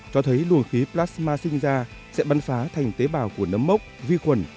cho thấy lùi khí plasma sinh ra sẽ bắn phá thành tế bào của nấm mốc vi khuẩn